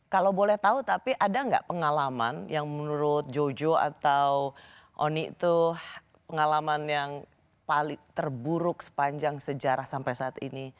kalau boleh tahu tapi ada nggak pengalaman yang menurut jojo atau oni tuh pengalaman yang paling terburuk sepanjang sejarah sampai saat ini